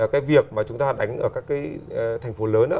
cái việc mà chúng ta đánh ở các cái thành phố lớn đó